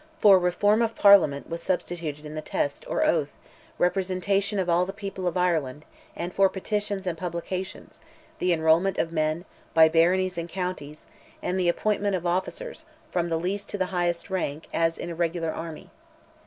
For "reform of Parliament" was substituted in the test, or oath, representation "of all the people of Ireland," and for petitions and publications, the enrolment of men, by baronies and counties, and the appointment of officers, from the least to the highest in rank, as in a regular army.